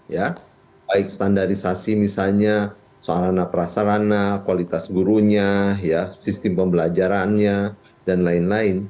ya baik standarisasi misalnya sarana prasarana kualitas gurunya sistem pembelajarannya dan lain lain